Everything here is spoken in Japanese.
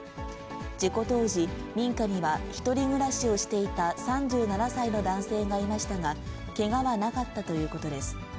事故当時、民家には１人暮らしをしていた３７歳の男性がいましたが、けがはなかったということです。